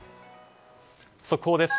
速報です。